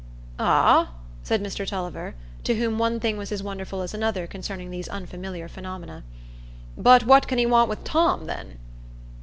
"Ah?" said Mr Tulliver, to whom one thing was as wonderful as another concerning these unfamiliar phenomena. "But what can he want wi' Tom, then?"